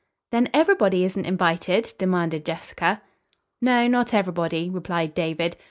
"Then everybody isn't invited?" demanded Jessica. "No, not everybody," replied David.